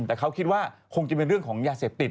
แต่เขาคิดว่าคงจะเป็นเรื่องของยาเสพติด